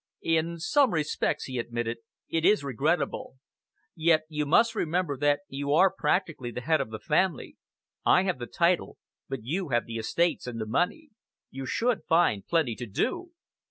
"In some respects," he admitted, "it is regrettable. Yet you must remember that you are practically the head of the family. I have the title, but you have the estates and the money. You should find plenty to do!"